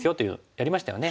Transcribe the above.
やりましたよね。